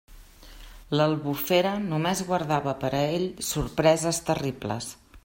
L'Albufera només guardava per a ell sorpreses terribles.